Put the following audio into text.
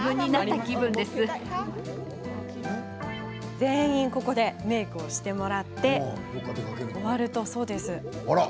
全員ここでメイクをしてもらって終わると。